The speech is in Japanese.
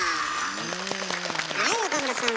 はい岡村さん